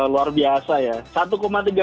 luar biasa ya